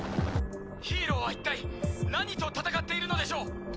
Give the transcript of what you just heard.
ヒーローは一体何と戦っているのでしょう。